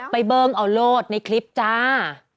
ไปเบิร์งออกโลดในคลิปจ้า